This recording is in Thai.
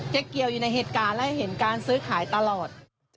เกี่ยวอยู่ในเหตุการณ์และเห็นการซื้อขายตลอด